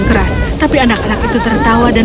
sekarang kita akan balik sampaihoo albert bangat